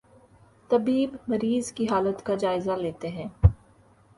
طبیب مریض کی حالت کا جائزہ لیتے ہیں